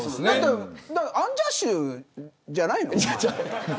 アンジャッシュじゃないのおまえ。